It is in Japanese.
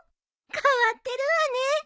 変わってるわね。